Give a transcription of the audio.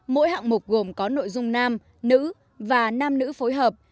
mỗi hạng mục gồm có nội dung nam nữ và nam nữ phối hợp